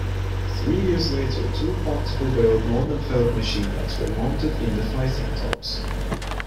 Three years later two quintuple-barreled Nordenfeldt machine guns were mounted in the fighting tops.